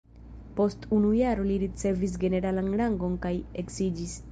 Post unu jaro li ricevis generalan rangon kaj eksiĝis.